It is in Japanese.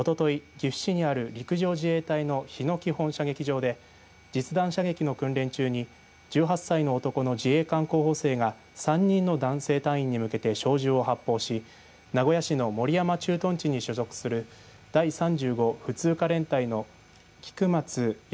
岐阜市にある陸上自衛隊の日野基本射撃場で実弾射撃の訓練中に１８歳の男の自衛官候補生が３人の男性隊員に向けて小銃を発砲し名古屋市の守山駐屯地に所属する第３５普通科連隊の菊松安